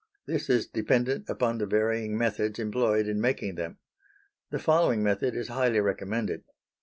This is dependent upon the varying methods employed in making them. The following method is highly recommended.